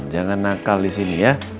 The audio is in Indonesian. jangan nakal disini ya